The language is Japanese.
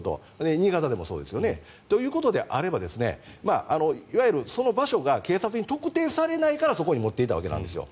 新潟でもそうですよね。ということであればいわゆるその場所が警察に特定されないからそこに持っていたわけなんですよ。